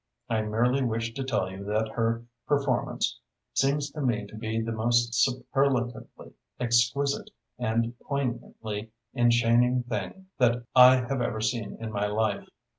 I merely wish to tell you that her performance seems to me to be the most superlatively exquisite and poignantly enchaining thing that I have ever seen in my life.